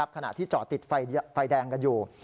ขณะที่จอดติดไฟแดงกันอยู่